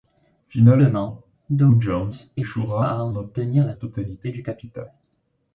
Finalement, Dow Jones échouera à en obtenir la totalité du capital.